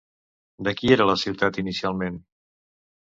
De qui era la ciutat inicialment?